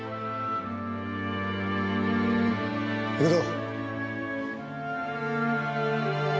行くぞ。